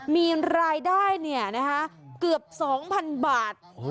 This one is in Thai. มีรายได้เนี่ยนะคะเกือบ๒๐๐๐บาท